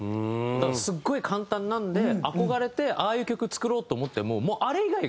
だからすごい簡単なんで憧れてああいう曲作ろうって思ってももうあれ以外がないっていう。